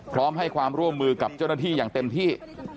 พร้อมให้ความร่วมมือกับเจ้าหน้าที่อย่างเต็มที่